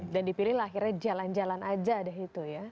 dan dipilih lah akhirnya jalan jalan aja deh itu ya